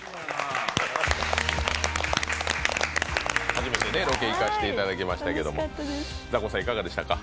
初めてロケ行かせていただきましたけれども、いかがでしたか？